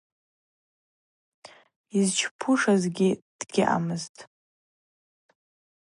Йызчпушызгьи гьаъамызтӏ.